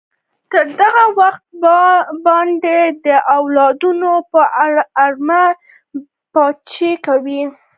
تر هغه وخته به د ده اولادونه په ارامه پاچاهي کوي.